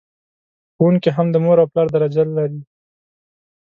ښوونکي هم د مور او پلار درجه لر...